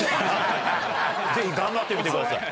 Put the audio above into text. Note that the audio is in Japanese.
ぜひ頑張ってみてください。